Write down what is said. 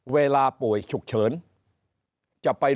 เวลาป่วยฉุกเฉิน